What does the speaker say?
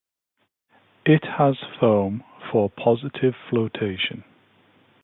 It has foam for positive flotation.